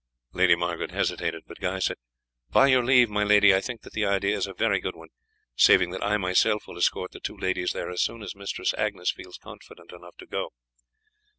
Lady Margaret hesitated, but Guy said: "By your leave, my lady, I think that the idea is a very good one, saving that I myself will escort the two ladies there as soon as Mistress Agnes feels confident enough to go."